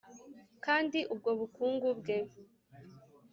kandi ubwo bukungu bwe